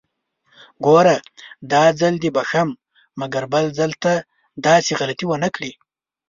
ګوره! داځل دې بښم، مګر بل ځل ته داسې غلطي ونکړې!